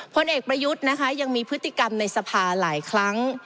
พลเอกประยุทธ์นะคะยังมีพฤติกรรมในสภาหลายครั้ง